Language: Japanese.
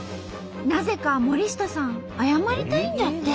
なぜか森下さん謝りたいんだって。